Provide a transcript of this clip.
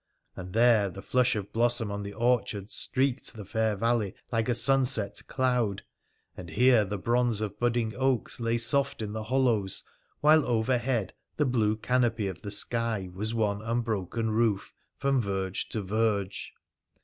And there the flush of blossom on the orchards streaked the fair valley like a sunset cloud, and here the bronze of budding oaks lay soft in the hollows, while overhead the blue canopy of the sky was one unbroken roof from verge to verge.